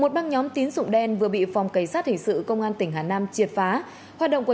họa động của nhóm tín sụng đen vừa bị phòng cảnh sát hình sự công an tỉnh hà nam triệt phá